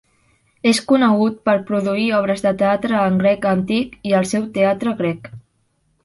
És conegut per produir obres de teatre en grec antic i al seu teatre grec.